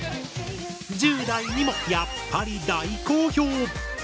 １０代にもやっぱり大好評！